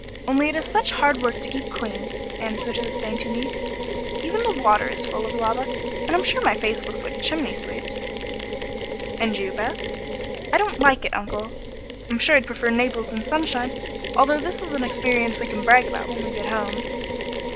"Only it is such hard work to keep clean," answered his dainty niece. "Even the water is full of lava, and I'm sure my face looks like a chimney sweep's." "And you, Beth?" "I don't like it, Uncle. I'm sure I'd prefer Naples in sunshine, although this is an experience we can brag about when we get home."